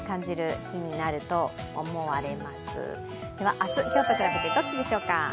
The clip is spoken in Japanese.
明日、今日とくらべてどっちでしょうか？